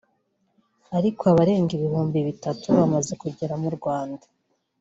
ariko abarenga ibihumbi bitatu bamaze kugera mu Rwanda